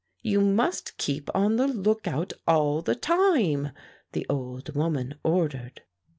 "You must keep on the lookout all the time," the old woman ordered.